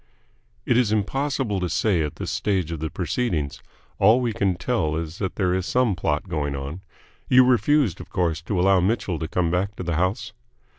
"It is impossible to say at this stage of the proceedings. All we can tell is that there is some plot going on. You refused, of course, to allow Mitchell to come back to the house?"